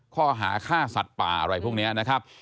ข้อหาฆ่าสัตว์ป่าอะไรพวกนี้นะครับ